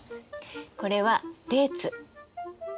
これはデーツ。